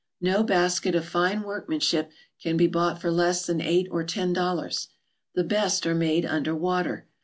No basket of fine workmanship can be bought for less than eight or ten dollars. The best are made under water.